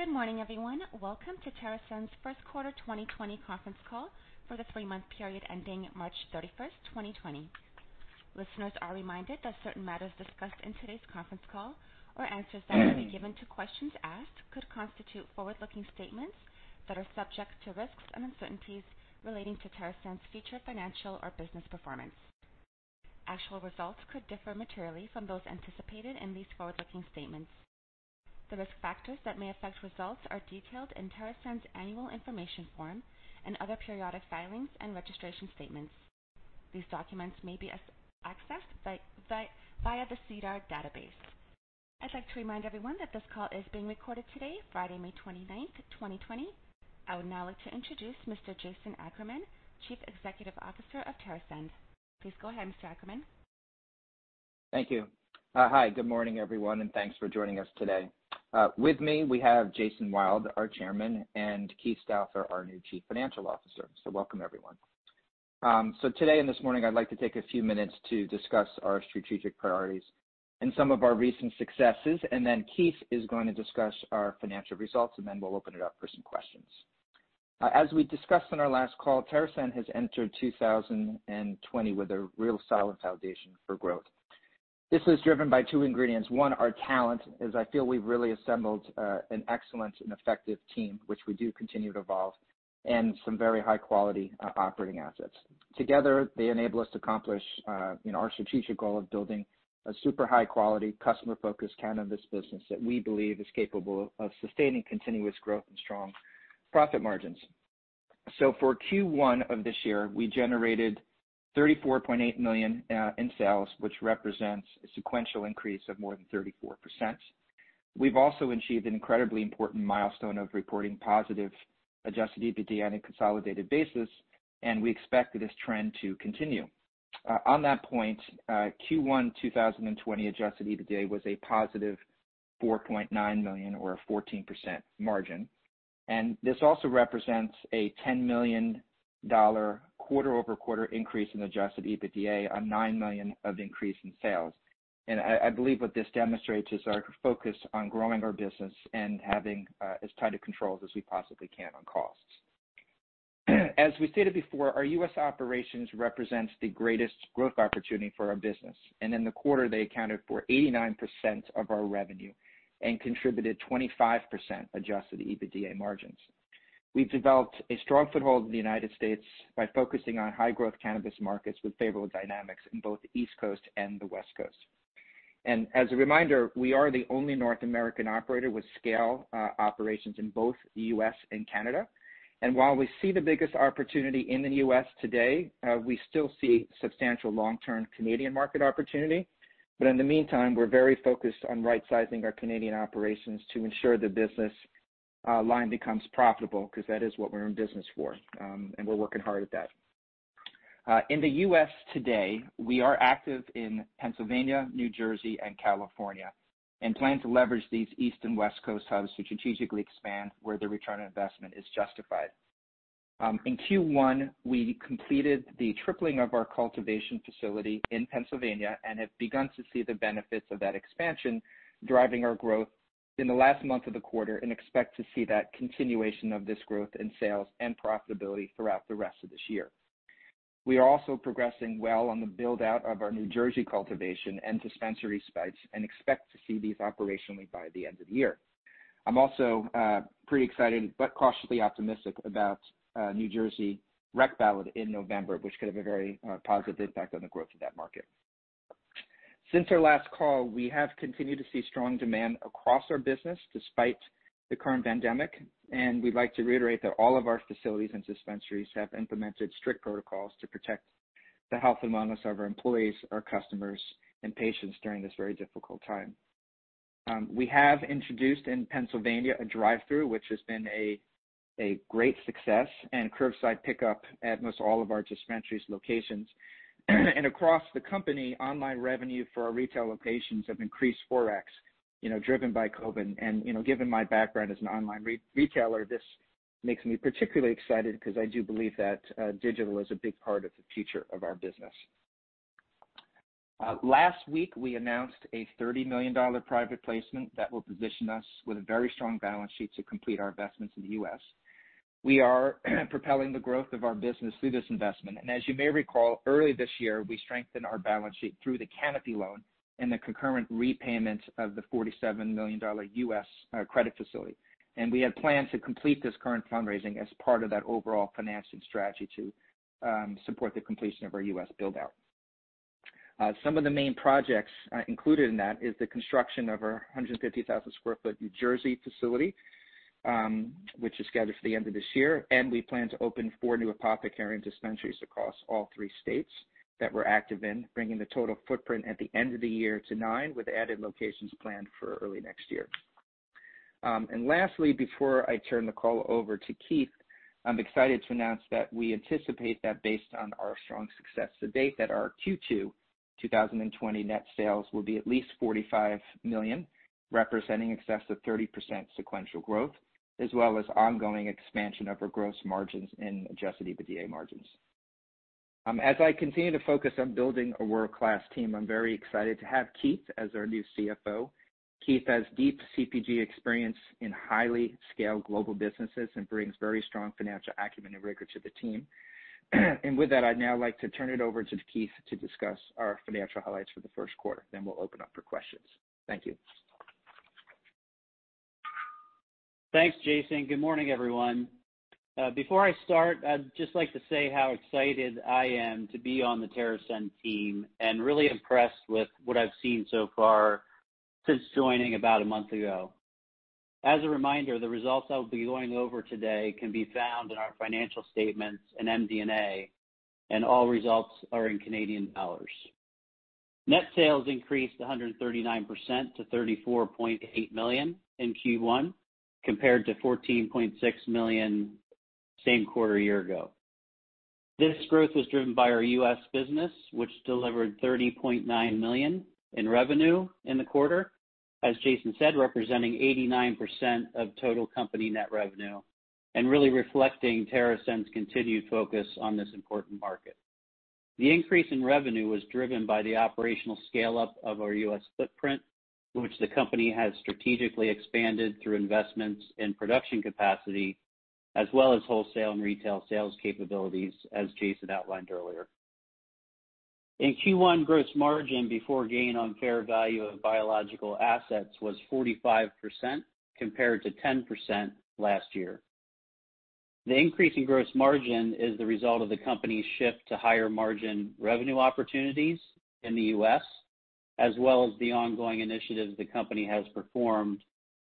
Good morning, everyone. Welcome to TerrAscend's First Quarter 2020 Conference Call for the three-month period ending March 31, 2020. Listeners are reminded that certain matters discussed in today's conference call or answers that may be given to questions asked could constitute forward-looking statements that are subject to risks and uncertainties relating to TerrAscend's future financial or business performance. Actual results could differ materially from those anticipated in these forward-looking statements. The risk factors that may affect results are detailed in TerrAscend's annual information form and other periodic filings and registration statements. These documents may be accessed via the SEDAR database. I'd like to remind everyone that this call is being recorded today, Friday, May 29, 2020. I would now like to introduce Mr. Jason Ackerman, Chief Executive Officer of TerrAscend. Please go ahead, Mr. Ackerman. Thank you. Hi, good morning, everyone, and thanks for joining us today. With me, we have Jason Wild, our Chairman, and Keith Stauffer, our new Chief Financial Officer. Welcome, everyone. Today and this morning, I'd like to take a few minutes to discuss our strategic priorities and some of our recent successes, and then Keith is going to discuss our financial results, and then we'll open it up for some questions. As we discussed on our last call, TerrAscend has entered 2020 with a real solid foundation for growth. This is driven by two ingredients. One, our talent, as I feel we've really assembled an excellent and effective team, which we do continue to evolve, and some very high-quality operating assets. Together, they enable us to accomplish our strategic goal of building a super high-quality, customer-focused cannabis business that we believe is capable of sustaining continuous growth and strong profit margins. For Q1 of this year, we generated $34.8 million in sales, which represents a sequential increase of more than 34%. We've also achieved an incredibly important milestone of reporting positive adjusted EBITDA on a consolidated basis, and we expect this trend to continue. On that point, Q1 2020 adjusted EBITDA was a +$4.9 million or a 14% margin, and this also represents a $10 million quarter-over-quarter increase in adjusted EBITDA on $9 million of increase in sales. I believe what this demonstrates is our focus on growing our business and having as tight a control as we possibly can on costs. As we stated before, our U.S. operations represents the greatest growth opportunity for our business, and in the quarter, they accounted for 89% of our revenue and contributed 25% adjusted EBITDA margins. We've developed a strong foothold in the United States by focusing on high-growth cannabis markets with favorable dynamics in both the East Coast and the West Coast. As a reminder, we are the only North American operator with scale operations in both the U.S. and Canada. While we see the biggest opportunity in the U.S. today, we still see substantial long-term Canadian market opportunity. In the meantime, we're very focused on rightsizing our Canadian operations to ensure the business line becomes profitable, because that is what we're in business for, and we're working hard at that. In the U.S. today, we are active in Pennsylvania, New Jersey, and California, and plan to leverage these East and West Coast hubs to strategically expand where the return on investment is justified. In Q1, we completed the tripling of our cultivation facility in Pennsylvania and have begun to see the benefits of that expansion driving our growth in the last month of the quarter and expect to see that continuation of this growth in sales and profitability throughout the rest of this year. We are also progressing well on the build-out of our New Jersey cultivation and dispensary space and expect to see these operationally by the end of the year. I'm also pretty excited but cautiously optimistic about New Jersey rec ballot in November, which could have a very positive impact on the growth of that market. Since our last call, we have continued to see strong demand across our business despite the current pandemic, we'd like to reiterate that all of our facilities and dispensaries have implemented strict protocols to protect the health and wellness of our employees, our customers, and patients during this very difficult time. We have introduced in Pennsylvania a drive-through, which has been a great success, curbside pickup at most all of our dispensary's locations. Across the company, online revenue for our retail locations have increased 4X, driven by COVID. Given my background as an online retailer, this makes me particularly excited because I do believe that digital is a big part of the future of our business. Last week, we announced a $30 million private placement that will position us with a very strong balance sheet to complete our investments in the U.S. We are propelling the growth of our business through this investment. As you may recall, early this year, we strengthened our balance sheet through the Canopy loan and the concurrent repayment of the $47 million U.S. credit facility. We had planned to complete this current fundraising as part of that overall financing strategy to support the completion of our U.S. build-out. Some of the main projects included in that is the construction of our 150,000 sq ft New Jersey facility, which is scheduled for the end of this year, and we plan to open four new Apothecarium dispensaries across all three states that we're active in, bringing the total footprint at the end of the year to nine, with added locations planned for early next year. Lastly, before I turn the call over to Keith, I'm excited to announce that we anticipate that based on our strong success to date, that our Q2 2020 net sales will be at least 45 million, representing excess of 30% sequential growth, as well as ongoing expansion of our gross margins and adjusted EBITDA margins. As I continue to focus on building a world-class team, I'm very excited to have Keith as our new CFO. Keith has deep consumer packaged goods experience in highly scaled global businesses and brings very strong financial acumen and rigor to the team. With that, I'd now like to turn it over to Keith to discuss our financial highlights for the first quarter, then we'll open up for questions. Thank you. Thanks, Jason. Good morning, everyone. Before I start, I'd just like to say how excited I am to be on the TerrAscend team and really impressed with what I've seen so far since joining about a month ago. As a reminder, the results I will be going over today can be found in our financial statements in MD&A, and all results are in Canadian dollars. Net sales increased 139% to 34.8 million in Q1, compared to 14.6 million same quarter a year ago. This growth was driven by our U.S. business, which delivered 30.9 million in revenue in the quarter, as Jason said, representing 89% of total company net revenue, and really reflecting TerrAscend's continued focus on this important market. The increase in revenue was driven by the operational scale-up of our U.S. footprint, which the company has strategically expanded through investments in production capacity, as well as wholesale and retail sales capabilities, as Jason outlined earlier. In Q1, gross margin before gain on fair value of biological assets was 45%, compared to 10% last year. The increase in gross margin is the result of the company's shift to higher margin revenue opportunities in the U.S., as well as the ongoing initiatives the company has performed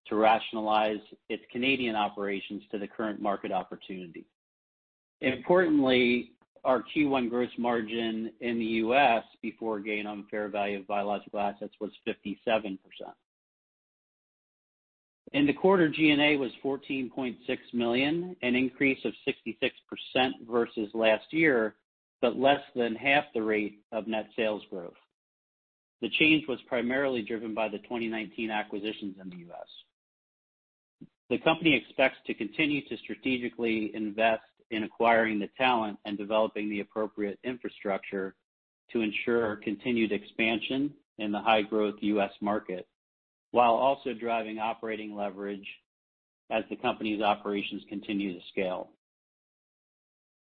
to rationalize its Canadian operations to the current market opportunity. Importantly, our Q1 gross margin in the U.S. before gain on fair value of biological assets was 57%. In the quarter, G&A was 14.6 million, an increase of 66% versus last year, but less than half the rate of net sales growth. The change was primarily driven by the 2019 acquisitions in the U.S. The company expects to continue to strategically invest in acquiring the talent and developing the appropriate infrastructure to ensure continued expansion in the high-growth U.S. market, while also driving operating leverage as the company's operations continue to scale.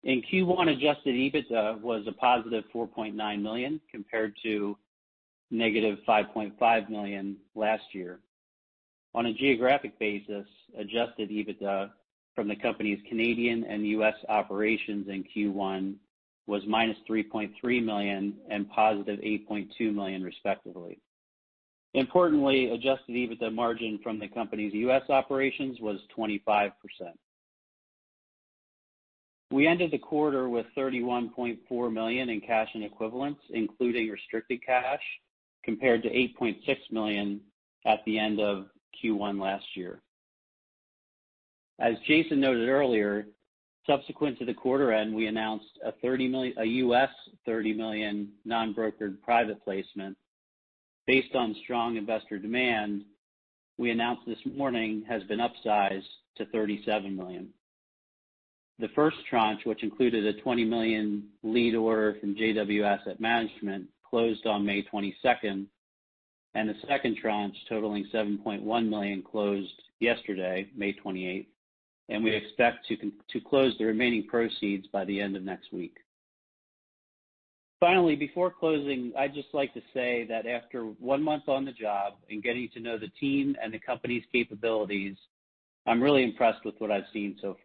In Q1, adjusted EBITDA was a +4.9 million compared to -5.5 million last year. On a geographic basis, adjusted EBITDA from the company's Canadian and U.S. operations in Q1 was -3.3 million and +8.2 million respectively. Importantly, adjusted EBITDA margin from the company's U.S. operations was 25%. We ended the quarter with 31.4 million in cash and equivalents, including restricted cash, compared to 8.6 million at the end of Q1 last year. As Jason noted earlier, subsequent to the quarter end, we announced a $30 million non-brokered private placement based on strong investor demand we announced this morning has been upsized to $37 million. The first tranche, which included a 20 million lead order from JW Asset Management, closed on May 22nd, and the second tranche totaling 7.1 million closed yesterday, May 28th, and we expect to close the remaining proceeds by the end of next week. Finally, before closing, I'd just like to say that after one month on the job and getting to know the team and the company's capabilities, I'm really impressed with what I've seen so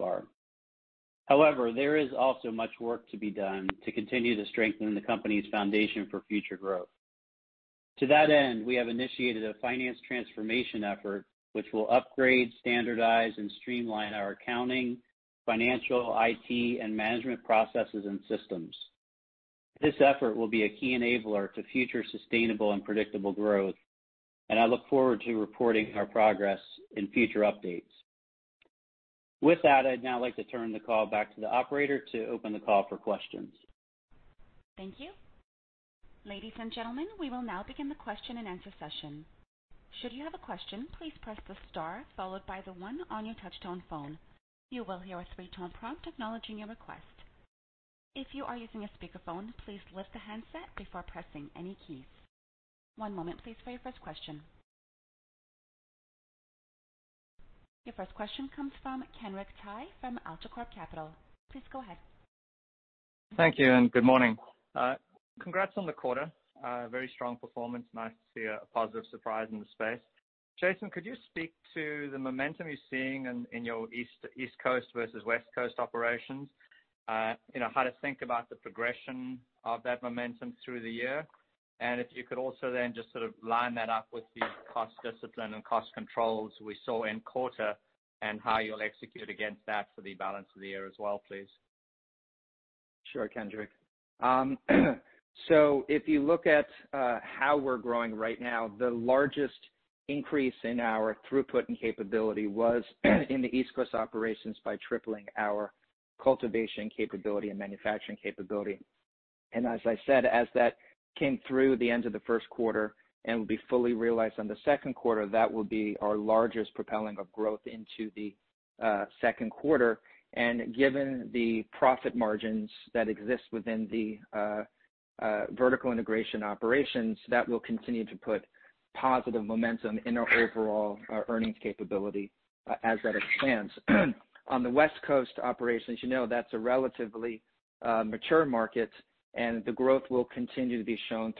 far. However, there is also much work to be done to continue to strengthen the company's foundation for future growth. To that end, we have initiated a finance transformation effort, which will upgrade, standardize, and streamline our accounting, financial, IT, and management processes and systems. This effort will be a key enabler to future sustainable and predictable growth, and I look forward to reporting our progress in future updates. With that, I'd now like to turn the call back to the operator to open the call for questions. Thank you. Ladies and gentlemen, we will now begin the question and answer session. Should you have a question, please press the star followed by the one on your touch-tone phone. You will hear a three-tone prompt acknowledging your request. If you are using a speakerphone, please lift the handset before pressing any keys. One moment please for your first question. Your first question comes from Kenric Tyghe from AltaCorp Capital. Please go ahead. Thank you, and good morning. Congrats on the quarter. Very strong performance. Nice to see a positive surprise in the space. Jason, could you speak to the momentum you're seeing in your East Coast versus West Coast operations? How to think about the progression of that momentum through the year? If you could also then just sort of line that up with the cost discipline and cost controls we saw in quarter and how you'll execute against that for the balance of the year as well, please. Sure, Kenric. If you look at how we're growing right now, the largest increase in our throughput and capability was in the East Coast operations by tripling our cultivation capability and manufacturing capability. As I said, as that came through the end of the first quarter and will be fully realized on the second quarter, that will be our largest propelling of growth into the second quarter, and given the profit margins that exist within the vertical integration operations, that will continue to put positive momentum in our overall earnings capability as that expands. On the West Coast operations, you know that's a relatively mature market, and the growth will continue to be shown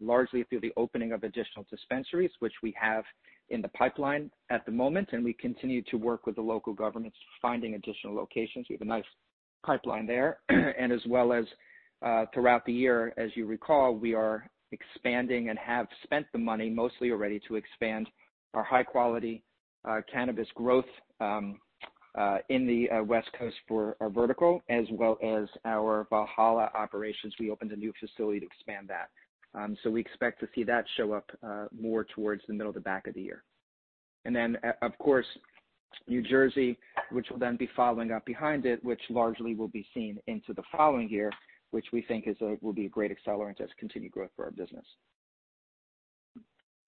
largely through the opening of additional dispensaries, which we have in the pipeline at the moment, and we continue to work with the local governments, finding additional locations. We have a nice pipeline there. As well as throughout the year, as you recall, we are expanding and have spent the money mostly already to expand our high-quality cannabis growth in the West Coast for our vertical as well as our Valhalla operations. We opened a new facility to expand that. We expect to see that show up more towards the middle to back of the year. Then, of course, New Jersey, which will then be following up behind it, which largely will be seen into the following year, which we think will be a great accelerant as continued growth for our business.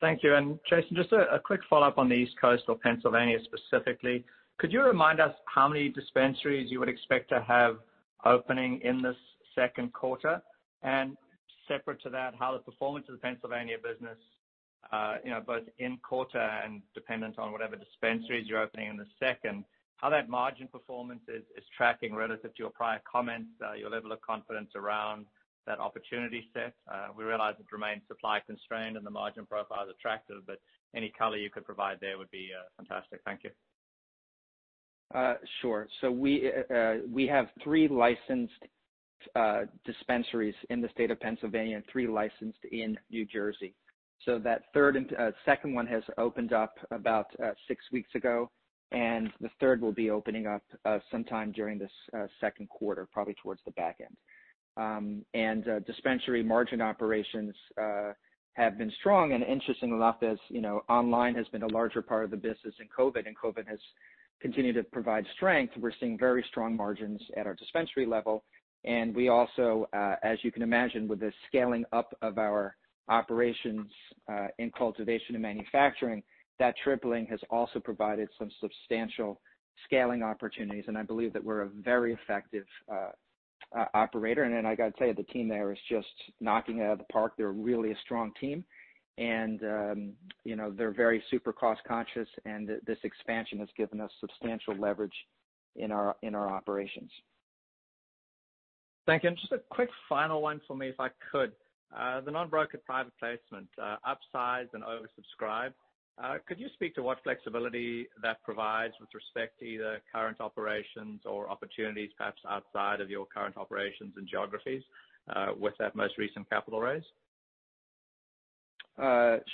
Thank you. Jason, just a quick follow-up on the East Coast or Pennsylvania specifically, could you remind us how many dispensaries you would expect to have opening in this second quarter? Separate to that, how the performance of the Pennsylvania business both in quarter and dependent on whatever dispensaries you're opening in the second, how that margin performance is tracking relative to your prior comments, your level of confidence around that opportunity set. We realize it remains supply-constrained and the margin profile is attractive, but any color you could provide there would be fantastic. Thank you. Sure. We have three licensed dispensaries in the state of Pennsylvania and three licensed in New Jersey. That second one has opened up about six weeks ago, and the third will be opening up sometime during this second quarter, probably towards the back end. Dispensary margin operations have been strong and interestingly enough, as online has been a larger part of the business in COVID, and COVID has continued to provide strength, we are seeing very strong margins at our dispensary level. We also, as you can imagine, with the scaling up of our operations in cultivation and manufacturing, that tripling has also provided some substantial scaling opportunities. I believe that we are a very effective operator. Then I got to tell you, the team there is just knocking it out of the park. They are really a strong team. They're very super cost-conscious, and this expansion has given us substantial leverage in our operations. Thank you. Just a quick final one for me, if I could. The non-brokered private placement, upsized and oversubscribed. Could you speak to what flexibility that provides with respect to either current operations or opportunities, perhaps outside of your current operations and geographies, with that most recent capital raise?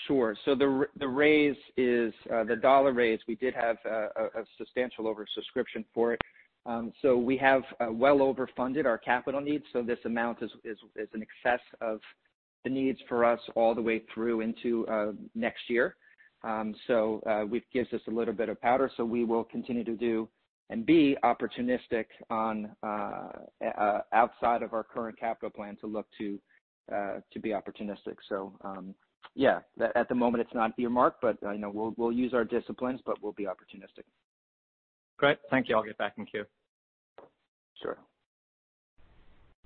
Sure. The dollar raise, we did have a substantial oversubscription for it. We have well overfunded our capital needs, so this amount is in excess of the needs for us all the way through into next year. It gives us a little bit of powder. We will continue to do and be opportunistic outside of our current capital plan to look to be opportunistic. Yeah. At the moment, it's not earmarked, but we'll use our disciplines, but we'll be opportunistic. Great. Thank you. I'll get back in queue. Sure.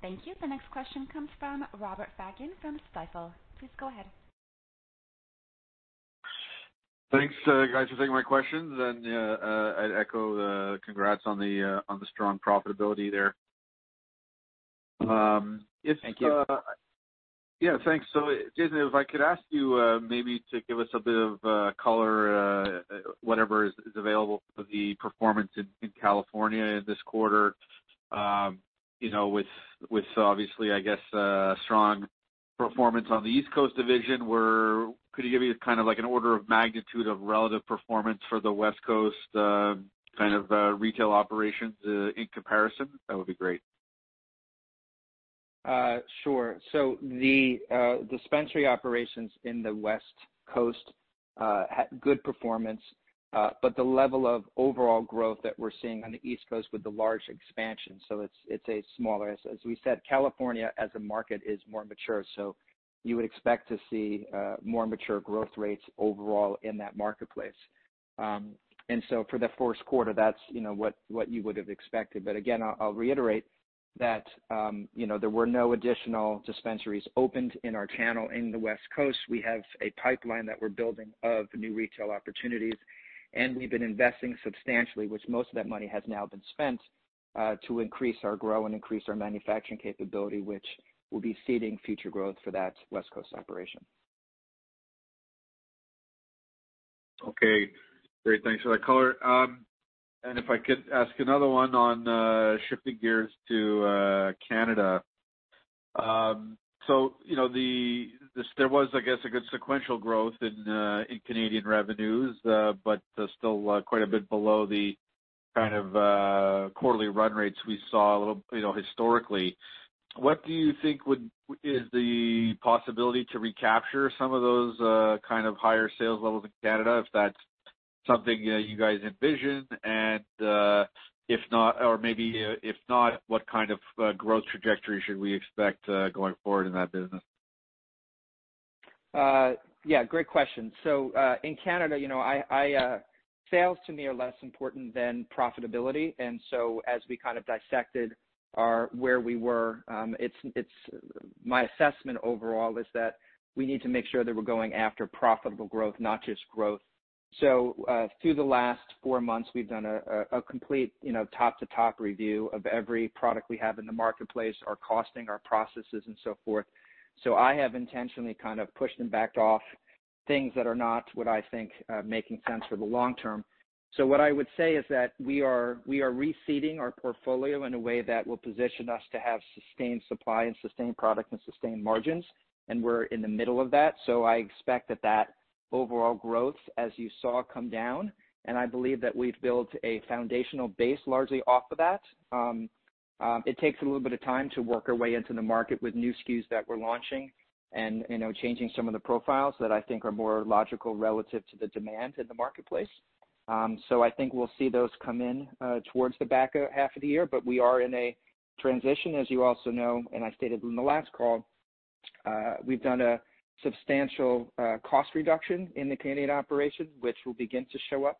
Thank you. The next question comes from Robert Fagan from Stifel. Please go ahead. Thanks, guys, for taking my questions. I'd echo the congrats on the strong profitability there. Thank you. Yeah, thanks. Jason Ackerman, if I could ask you maybe to give us a bit of color, whatever is available for the performance in California in this quarter. With obviously, I guess, strong performance on the East Coast division, could you give me kind of like an order of magnitude of relative performance for the West Coast kind of retail operations in comparison? That would be great. Sure. The dispensary operations in the West Coast had good performance, but the level of overall growth that we're seeing on the East Coast with the large expansion, so it's smaller. As we said, California as a market is more mature, so you would expect to see more mature growth rates overall in that marketplace. For the first quarter, that's what you would have expected. Again, I'll reiterate that there were no additional dispensaries opened in our channel in the West Coast. We have a pipeline that we're building of new retail opportunities, and we've been investing substantially, which most of that money has now been spent, to increase our grow and increase our manufacturing capability, which will be seeding future growth for that West Coast operation. Okay. Great, thanks for that color. If I could ask another one on shifting gears to Canada. There was, I guess, a good sequential growth in Canadian revenues, but still quite a bit below the kind of quarterly run rates we saw historically. What do you think is the possibility to recapture some of those kind of higher sales levels in Canada, if that's something you guys envision? If not, what kind of growth trajectory should we expect going forward in that business? Yeah, great question. In Canada, sales to me are less important than profitability. As we kind of dissected where we were, my assessment overall is that we need to make sure that we're going after profitable growth, not just growth. Through the last four months we've done a complete top to top review of every product we have in the marketplace, our costing, our processes and so forth. I have intentionally kind of pushed and backed off things that are not what I think are making sense for the long term. What I would say is that we are reseeding our portfolio in a way that will position us to have sustained supply and sustained product and sustained margins, and we're in the middle of that. I expect that overall growth, as you saw, come down, and I believe that we've built a foundational base largely off of that. It takes a little bit of time to work our way into the market with new stock keeping units that we're launching and changing some of the profiles that I think are more logical relative to the demand in the marketplace. I think we'll see those come in towards the back half of the year. We are in a transition, as you also know, and I stated in the last call, we've done a substantial cost reduction in the Canadian operation, which will begin to show up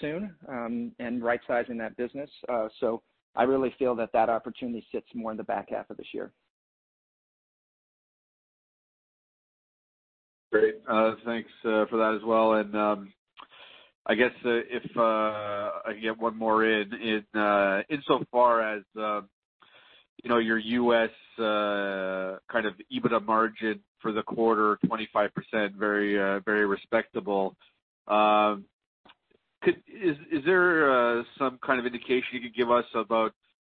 soon, and rightsizing that business. I really feel that that opportunity sits more in the back half of this year. Great. Thanks for that as well. I guess if I can get one more in, insofar as your U.S. kind of EBITDA margin for the quarter, 25%, very respectable. Is there some kind of indication you could give us about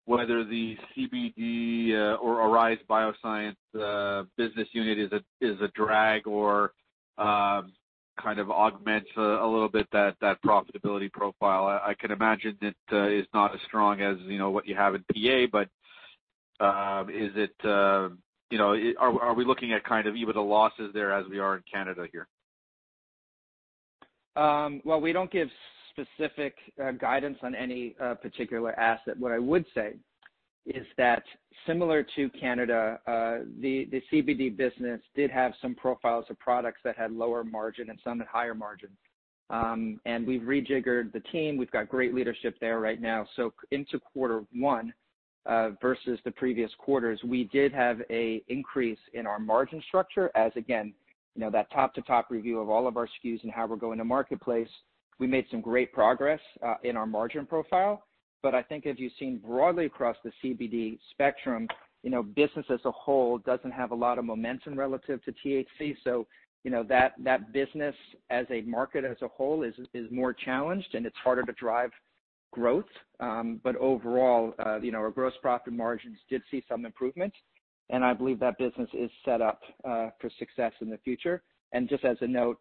whether the cannabidiol or Arise Bioscience business unit is a drag or kind of augments a little bit that profitability profile? I can imagine it is not as strong as what you have in PA, but are we looking at kind of EBITDA losses there as we are in Canada here? Well, we don't give specific guidance on any particular asset. What I would say is that similar to Canada, the CBD business did have some profiles of products that had lower margin and some that had higher margin. We've rejiggered the team. We've got great leadership there right now. Into quarter one, versus the previous quarters, we did have an increase in our margin structure as again, that top to top review of all of our SKUs and how we're going to marketplace. We made some great progress in our margin profile. I think as you've seen broadly across the CBD spectrum, business as a whole doesn't have a lot of momentum relative to tetrahydrocannabinol. That business as a market as a whole is more challenged and it's harder to drive growth. Overall, our gross profit margins did see some improvement, and I believe that business is set up for success in the future. Just as a note,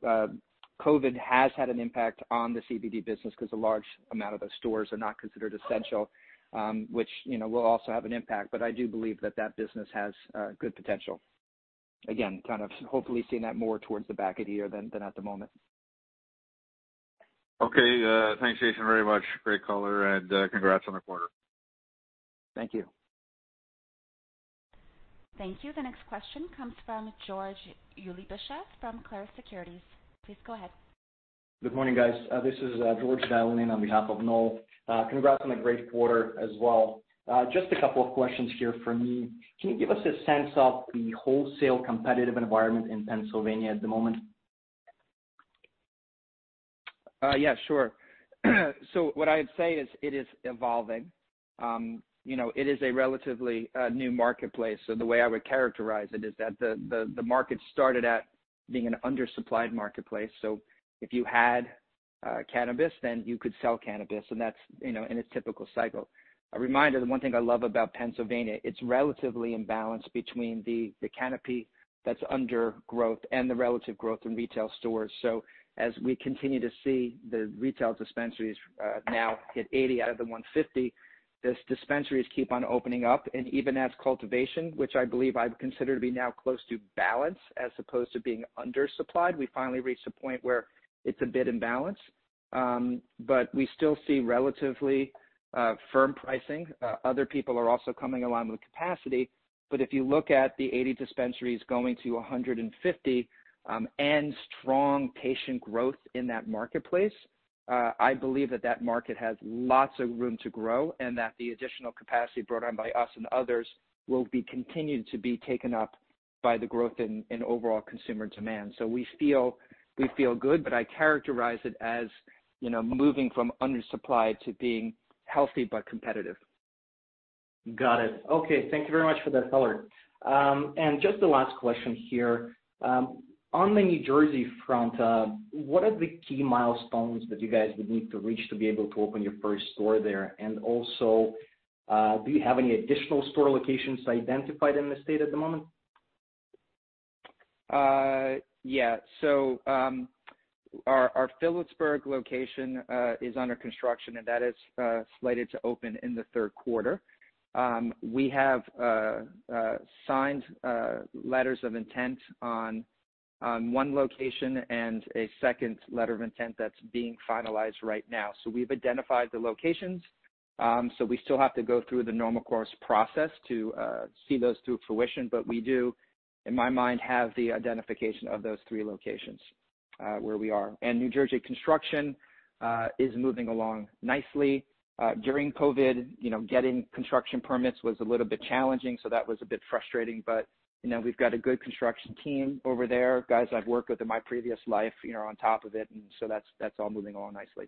COVID has had an impact on the CBD business because a large amount of those stores are not considered essential, which will also have an impact. I do believe that that business has good potential. Again, kind of hopefully seeing that more towards the back of the year than at the moment. Okay. Thanks, Jason, very much. Great color and congrats on the quarter. Thank you. Thank you. The next question comes from George Anghelache from Clarus Securities. Please go ahead. Good morning, guys. This is George dialing in on behalf of Noel. Congrats on a great quarter as well. Just a couple of questions here from me. Can you give us a sense of the wholesale competitive environment in Pennsylvania at the moment? Yeah, sure. What I'd say is, it is evolving. It is a relatively new marketplace. The way I would characterize it is that the market started at being an undersupplied marketplace. If you had cannabis, then you could sell cannabis, and that's in its typical cycle. A reminder, the one thing I love about Pennsylvania, it's relatively in balance between the canopy that's under growth and the relative growth in retail stores. As we continue to see the retail dispensaries now hit 80 out of the 150, those dispensaries keep on opening up, and even as cultivation, which I believe I would consider to be now close to balance as opposed to being undersupplied. We finally reached a point where it's a bit in balance. We still see relatively firm pricing. Other people are also coming along with capacity. If you look at the 80 dispensaries going to 150, and strong patient growth in that marketplace, I believe that that market has lots of room to grow, and that the additional capacity brought on by us and others will be continued to be taken up by the growth in overall consumer demand. We feel good, but I characterize it as moving from undersupplied to being healthy but competitive. Got it. Okay. Thank you very much for that color. Just the last question here. On the New Jersey front, what are the key milestones that you guys would need to reach to be able to open your first store there? Also, do you have any additional store locations identified in the state at the moment? Yeah. Our Phillipsburg location is under construction, and that is slated to open in the third quarter. We have signed letters of intent on one location and a second letter of intent that's being finalized right now. We've identified the locations. We still have to go through the normal course process to see those through fruition. We do, in my mind, have the identification of those three locations where we are. New Jersey construction is moving along nicely. During COVID, getting construction permits was a little bit challenging, so that was a bit frustrating. We've got a good construction team over there, guys I've worked with in my previous life, on top of it. That's all moving along nicely.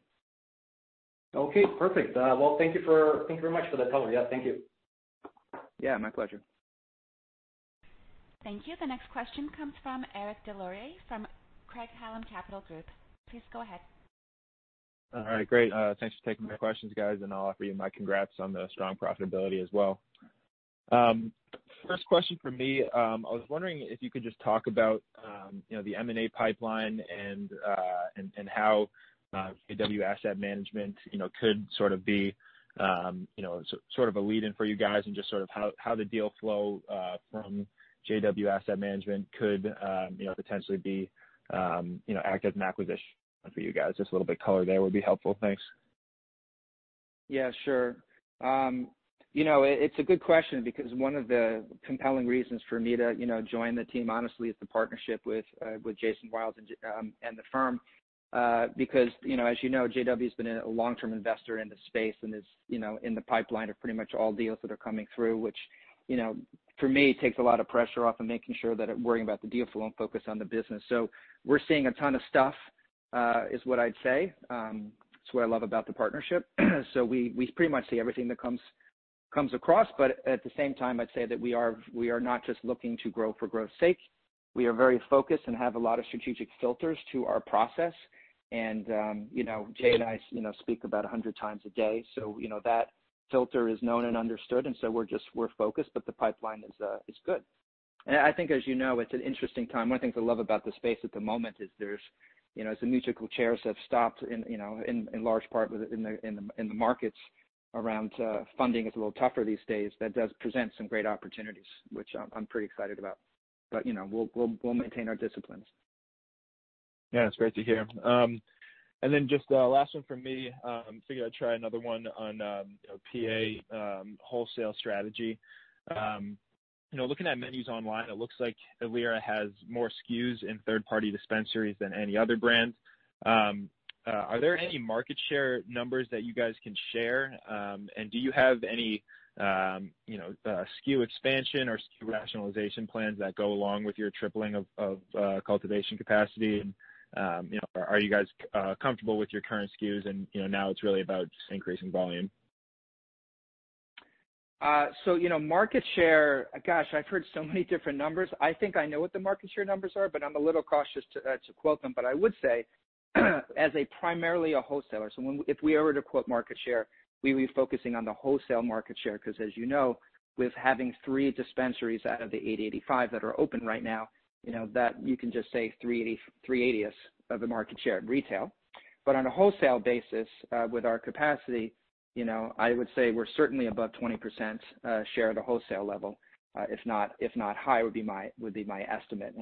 Okay, perfect. Well, thank you very much for that color. Yeah, thank you. Yeah, my pleasure. Thank you. The next question comes from Eric Des Lauriers from Craig-Hallum Capital Group. Please go ahead. All right, great. Thanks for taking my questions, guys, and I'll offer you my congrats on the strong profitability as well. First question from me, I was wondering if you could just talk about the M&A pipeline and how JW Asset Management could be a lead-in for you guys and just how the deal flow from JW Asset Management could potentially act as an acquisition for you guys. Just a little bit of color there would be helpful. Thanks. Yeah, sure. It's a good question because one of the compelling reasons for me to join the team, honestly, is the partnership with Jason Wild and the firm. As you know, JW's been a long-term investor in the space and is in the pipeline of pretty much all deals that are coming through, which, for me, takes a lot of pressure off in making sure that I'm worrying about the deal flow and focus on the business. We're seeing a ton of stuff, is what I'd say. It's what I love about the partnership. We pretty much see everything that comes across, but at the same time, I'd say that we are not just looking to grow for growth's sake. We are very focused and have a lot of strategic filters to our process. Jay and I speak about 100x a day, so that filter is known and understood, and so we're focused, but the pipeline is good. I think, as you know, it's an interesting time. One of the things I love about the space at the moment is there's the musical chairs have stopped in large part in the markets around funding is a little tougher these days. That does present some great opportunities, which I'm pretty excited about. We'll maintain our disciplines. Yeah, that's great to hear. Then just the last one from me. Figured I'd try another one on PA wholesale strategy. Looking at menus online, it looks like Ilera has more SKUs in third-party dispensaries than any other brand. Are there any market share numbers that you guys can share? Do you have any SKU expansion or SKU rationalization plans that go along with your tripling of cultivation capacity? Are you guys comfortable with your current SKUs, and now it's really about just increasing volume? Market share, gosh, I've heard so many different numbers. I think I know what the market share numbers are, but I'm a little cautious to quote them. I would say, as primarily a wholesaler, if we were to quote market share, we would be focusing on the wholesale market share, because as you know, with having three dispensaries out of the 80 that are open right now, you can just say 3/80ths of the market share at retail. On a wholesale basis, with our capacity, I would say we're certainly above 20% share at a wholesale level. If not high, would be my estimate.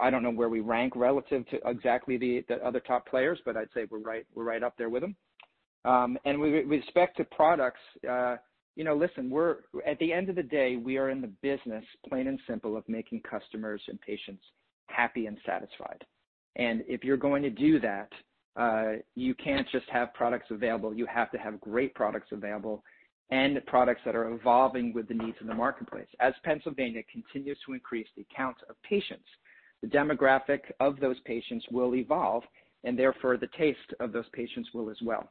I don't know where we rank relative to exactly the other top players, but I'd say we're right up there with them. With respect to products, listen, at the end of the day, we are in the business, plain and simple, of making customers and patients happy and satisfied. If you're going to do that, you can't just have products available. You have to have great products available and products that are evolving with the needs of the marketplace. As Pennsylvania continues to increase the count of patients, the demographic of those patients will evolve, and therefore, the taste of those patients will as well.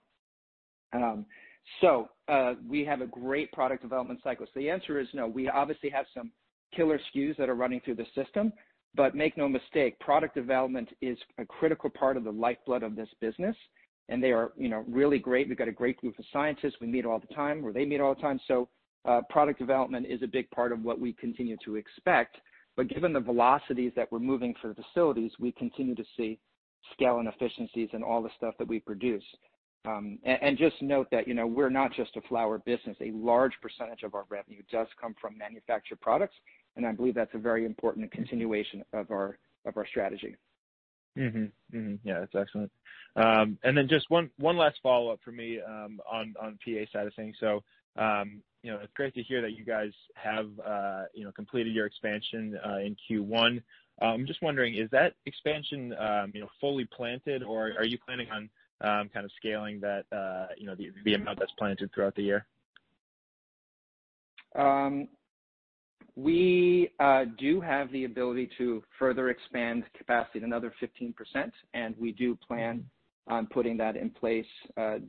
We have a great product development cycle. The answer is no. We obviously have some killer SKUs that are running through the system, but make no mistake, product development is a critical part of the lifeblood of this business, and they are really great. We've got a great group of scientists. We meet all the time, or they meet all the time. Product development is a big part of what we continue to expect. Given the velocities that we're moving for the facilities, we continue to see scale and efficiencies in all the stuff that we produce. Just note that we're not just a flower business. A large percentage of our revenue does come from manufactured products, and I believe that's a very important continuation of our strategy. Yeah, that's excellent. Just one last follow-up from me on PA side of things. It's great to hear that you guys have completed your expansion in Q1. I'm just wondering, is that expansion fully planted, or are you planning on kind of scaling the amount that's planted throughout the year? We do have the ability to further expand capacity at another 15%, and we do plan on putting that in place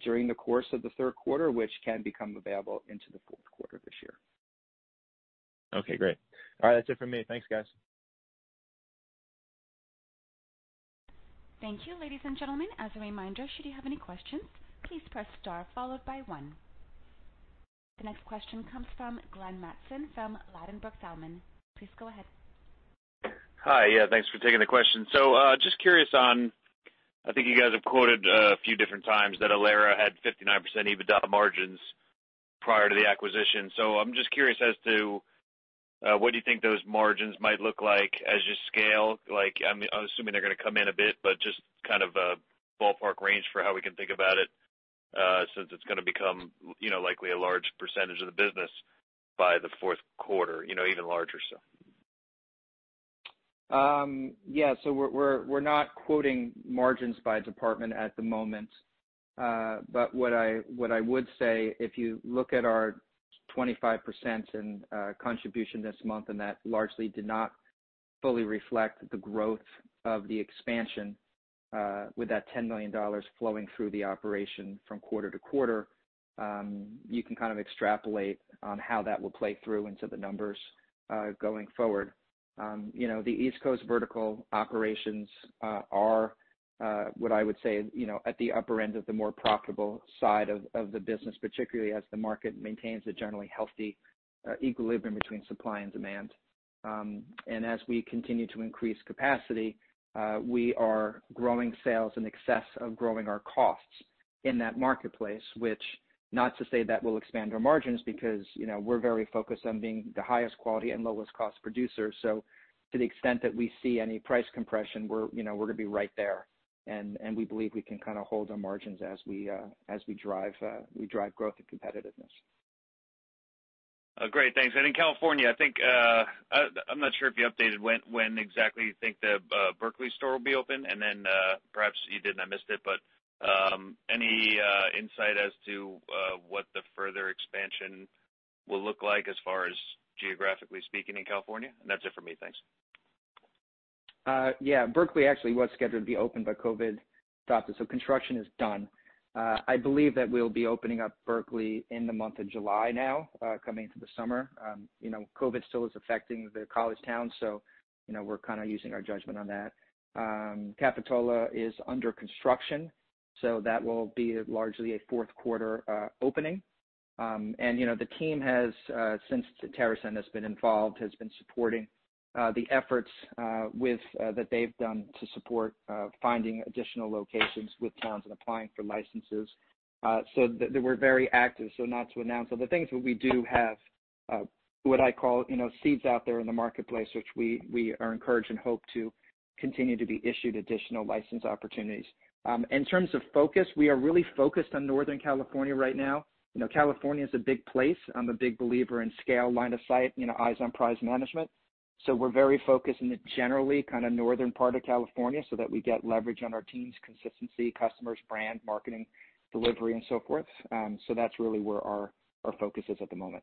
during the course of the third quarter, which can become available into the fourth quarter of this year. Okay, great. All right, that's it for me. Thanks, guys. Thank you. Ladies and gentlemen, as a reminder, should you have any questions, please press star followed by one. The next question comes from Glenn Mattson from Ladenburg Thalmann. Please go ahead. Hi. Yeah, thanks for taking the question. Just curious on, I think you guys have quoted a few different times that Ilera had 59% EBITDA margins prior to the acquisition. I'm just curious as to what do you think those margins might look like as you scale? I'm assuming they're going to come in a bit, but just kind of a ballpark range for how we can think about it, since it's going to become likely a large percentage of the business by the fourth quarter, even larger so. We're not quoting margins by department at the moment. What I would say, if you look at our 25% in contribution this month, and that largely did not fully reflect the growth of the expansion, with that 10 million dollars flowing through the operation from quarter-to-quarter, you can kind of extrapolate on how that will play through into the numbers going forward. The East Coast vertical operations are what I would say, at the upper end of the more profitable side of the business, particularly as the market maintains a generally healthy equilibrium between supply and demand. As we continue to increase capacity, we are growing sales in excess of growing our costs in that marketplace, which not to say that we'll expand our margins because we're very focused on being the highest quality and lowest cost producer. To the extent that we see any price compression, we're going to be right there, and we believe we can kind of hold our margins as we drive growth and competitiveness. Great. Thanks. In California, I'm not sure if you updated when exactly you think the Berkeley store will be open, perhaps you did and I missed it, but any insight as to what the further expansion will look like as far as geographically speaking in California? That's it for me. Thanks. Yeah. Berkeley actually was scheduled to be open, but COVID stopped it. Construction is done. I believe that we'll be opening up Berkeley in the month of July now, coming into the summer. COVID still is affecting the college town, so we're kind of using our judgment on that. Capitola is under construction, so that will be largely a fourth quarter opening. The team has, since TerrAscend has been involved, has been supporting the efforts that they've done to support finding additional locations with towns and applying for licenses. We're very active, so not to announce all the things, but we do have what I call seeds out there in the marketplace, which we are encouraged and hope to continue to be issued additional license opportunities. In terms of focus, we are really focused on Northern California right now. California is a big place. I'm a big believer in scale, line of sight, eyes on prize management. We're very focused in the generally kind of northern part of California so that we get leverage on our teams, consistency, customers, brand, marketing, delivery, and so forth. That's really where our focus is at the moment.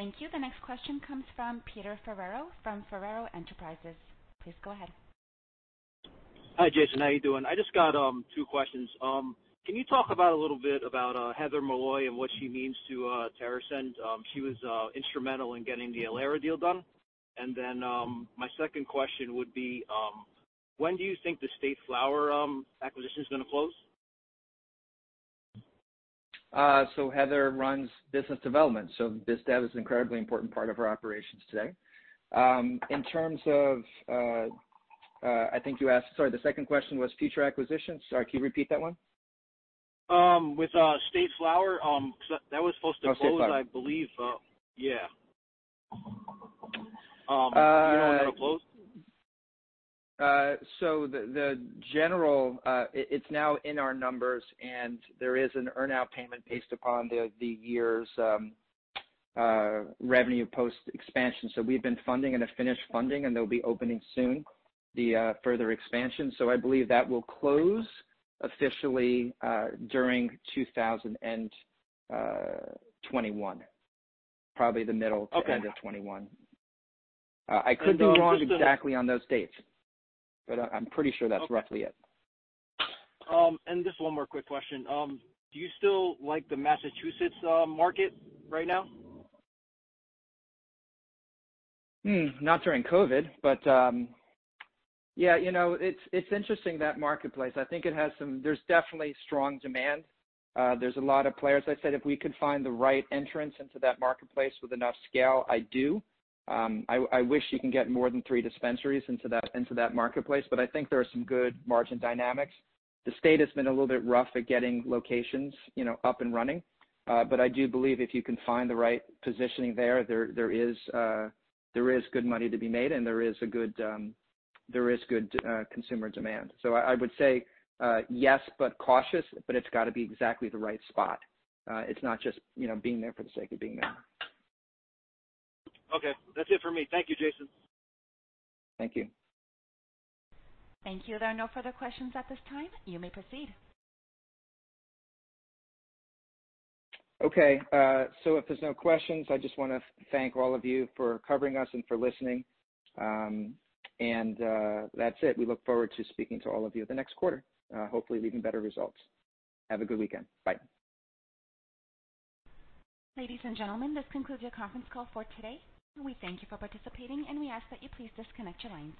Thank you. The next question comes from Peter Ferrero from Ferrero Enterprises. Please go ahead. Hi, Jason. How are you doing? I just got two questions. Can you talk about a little bit about Heather Molloy and what she means to TerrAscend? She was instrumental in getting the Ilera deal done. My second question would be, when do you think the State Flower acquisition is going to close? Heather runs business development. Biz dev is an incredibly important part of our operations today. In terms of, I think you asked, sorry, the second question was future acquisitions? Sorry, can you repeat that one? With State Flower, because that was supposed to close. Oh, State Flower. I believe. Yeah. Do you know when that'll close? The general, it's now in our numbers, and there is an earn-out payment based upon the year's revenue post-expansion. We've been funding and have finished funding, and they'll be opening soon, the further expansion. I believe that will close officially during 2021. Probably the middle to end of 2021. Okay. I could be wrong exactly on those dates, but I'm pretty sure that's roughly it. Okay. Just one more quick question. Do you still like the Massachusetts market right now? Not during COVID, but yeah. It's interesting that marketplace. I think there's definitely strong demand. There's a lot of players. I said if we could find the right entrance into that marketplace with enough scale, I do. I wish you can get more than three dispensaries into that marketplace, but I think there are some good margin dynamics. The state has been a little bit rough at getting locations up and running. I do believe if you can find the right positioning there is good money to be made, and there is good consumer demand. I would say, yes, but cautious, but it's got to be exactly the right spot. It's not just being there for the sake of being there. Okay. That's it for me. Thank you, Jason. Thank you. Thank you. There are no further questions at this time. You may proceed. Okay. If there's no questions, I just want to thank all of you for covering us and for listening. That's it. We look forward to speaking to all of you the next quarter, hopefully leaving better results. Have a good weekend. Bye. Ladies and gentlemen, this concludes your conference call for today. We thank you for participating, and we ask that you please disconnect your line now.